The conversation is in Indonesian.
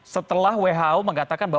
setelah who mengatakan bahwa